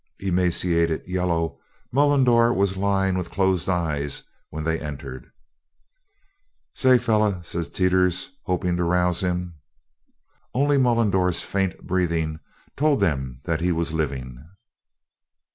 Emaciated, yellow, Mullendore was lying with closed eyes when they entered. "Say, feller " said Teeters, hoping to rouse him. Only Mullendore's faint breathing told them that he was living.